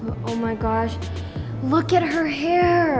astaga lihat rambutnya